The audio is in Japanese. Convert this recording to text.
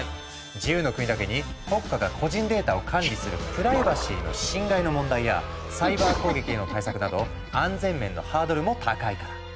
自由の国だけに国家が個人データを管理するプライバシーの侵害の問題やサイバー攻撃への対策など安全面のハードルも高いから。